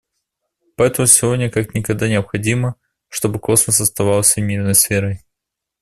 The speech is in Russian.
Поэтому сегодня как никогда необходимо, чтобы космос оставался мирной сферой.